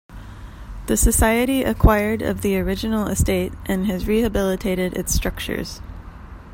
The Society acquired of the original estate, and has rehabilitated its structures.